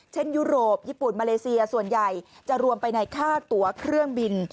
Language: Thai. ยุโรปญี่ปุ่นมาเลเซียส่วนใหญ่จะรวมไปในค่าตัวเครื่องบิน